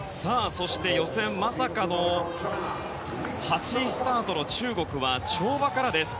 予選、まさかの８位スタートの中国は跳馬からです。